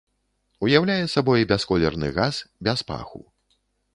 Уяўляе сабой бясколерны газ без паху.